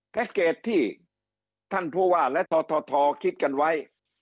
เกจที่ท่านผู้ว่าและททคิดกันไว้